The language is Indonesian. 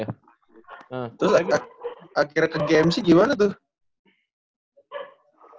terus akhirnya ke gmc gimana tuh